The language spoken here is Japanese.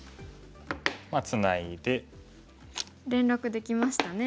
ツナいで。連絡できましたね。